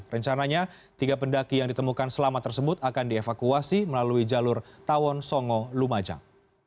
rencananya tiga pendaki yang ditemukan selamat tersebut akan dievakuasi melalui jalur tawon songo lumajang